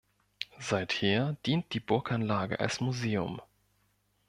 Seither dient die Burganlage als Museum.